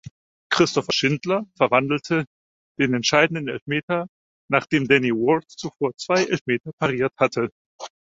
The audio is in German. Christopher Schindler verwandelte den entscheidenden Elfmeter, nachdem Danny Ward zuvor zwei Elfmeter pariert hatte.